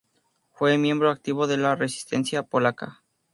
Fue miembro activo de la resistencia polaca.